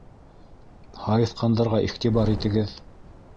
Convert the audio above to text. Һайыҫҡандарға иғтибар итегеҙ...